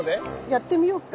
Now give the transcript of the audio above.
やってみようか。